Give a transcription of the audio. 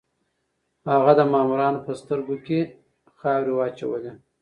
هغه د مامورانو په سترګو کې خاورې واچولې.